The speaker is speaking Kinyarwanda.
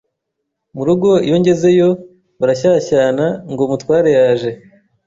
mu rugo iyo ngezeyo barashyashyana ngo umutware yaje